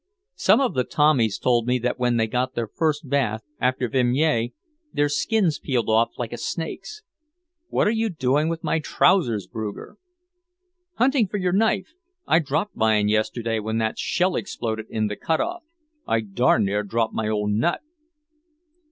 Some of the Tommies told me that when they got their first bath after Vimy, their skins peeled off like a snake's. What are you doing with my trousers, Bruger?" "Hunting for your knife. I dropped mine yesterday, when that shell exploded in the cut off. I darned near dropped my old nut!"